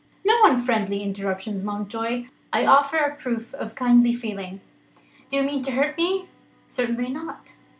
"No unfriendly interruptions, Mountjoy! I offer a proof of kindly feeling. Do you mean to hurt me?" "Certainly not.